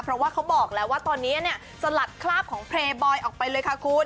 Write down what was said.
เพราะว่าเขาบอกแล้วว่าตอนนี้เนี่ยสลัดคราบของเพลย์บอยออกไปเลยค่ะคุณ